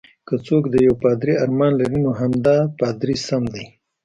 که څوک د یو پادري ارمان لري، نو همدا پادري سم دی.